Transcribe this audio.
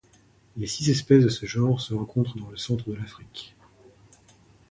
Les six espèces de ce genre se rencontrent dans le Centre de l'Afrique.